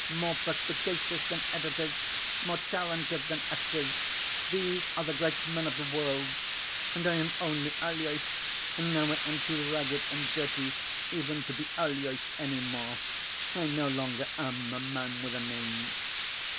More perspicacious than editors, more talented than actors, these are the great men of the world. And I am only Aloys, and now I am too ragged and dirty even to be Aloys any more. I no longer am a man with a name."